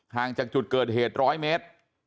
ห่างจากจุดเกิดเหตุ๑๐๐เมตร